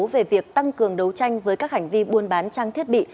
về việc tăng cường đấu tranh với các hành vi buôn bán trang thiết bị